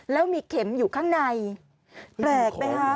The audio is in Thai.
แล้วมีเข็มอยู่ข้างในแปลกไหมคะ